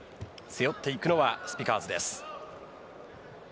背負っていくのはスピカーズです。